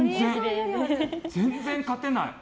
全然、勝てない。